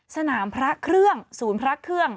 สนามพระเครื่องศูนย์พระเครื่อง